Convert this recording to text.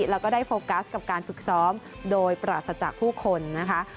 แล้วก็ได้โฟกัสกับการฝึกซ้อมโดยปราศจากผู้คนนะคะ